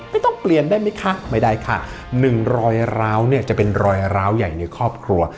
ไม่ต้องเปลี่ยนได้ไหมคะไม่ได้ค่ะหนึ่งรอยร้าวเนี่ยจะเป็นรอยร้าวใหญ่ในครอบครัว